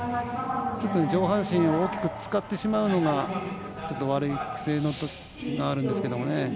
ちょっと上半身大きく使ってしまうのがちょっと悪い癖があるんですけど。